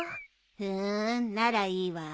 ふーんならいいわ。